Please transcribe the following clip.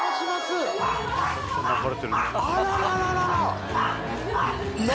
あららら。